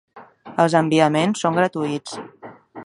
Els enviaments són gratuïts.